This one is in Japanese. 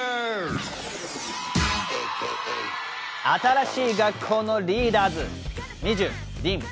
新しい学校のリーダーズ。